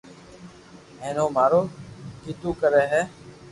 ھين او مارو ڪيدو ڪري ھي